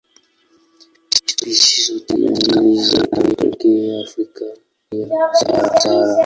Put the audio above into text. Spishi zote mbili zinatokea Afrika chini ya Sahara.